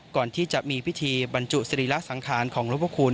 ก่อนที่จะมีพิธีบรรจุสรีล่าสังขารของนกประชุม